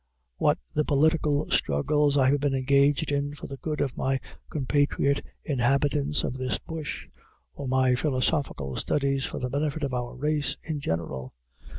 What the political struggles I have been engaged in for the good of my compatriot inhabitants of this bush, or my philosophical studies for the benefit of our race in general!